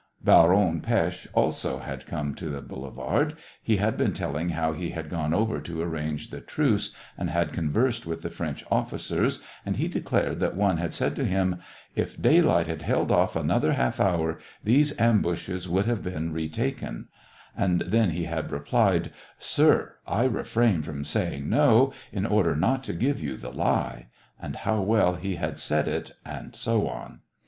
Baron Pesth also had come to the boulevard. He had been telling how he had gone over to arrange the truce, and had conversed with the French officers, and he declared that one had said to him, "If daylight had held off another half hour, these ambushes would have been re taken ;" and that he had replied, " Sir, I refrain from saying no, in order not to give you the lie," and how well he had said it, and so on.